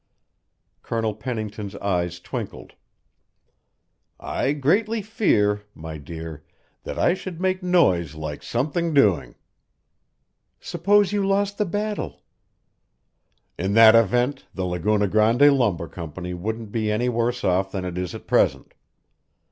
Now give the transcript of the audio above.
Colonel Pennington's eyes twinkled. "I greatly fear, my dear, I should make a noise like something doing." "Suppose you lost the battle." "In that event the Laguna Grande Lumber Company wouldn't be any worse off than it is at present.